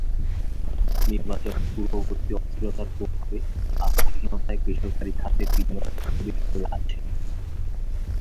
নির্বাচন পূর্ববর্তী অস্থিরতার প্রভাবে আস্থাহীনতায় বেসরকারি খাতের বিনিয়োগ স্থবির হয়ে আছে।